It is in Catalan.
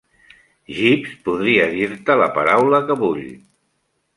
Jeeves podria dir-te la paraula que vull.